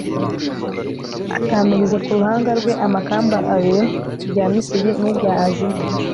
atamiriza ku ruhanga rwe amakamba abiri, irya misiri n'irya aziya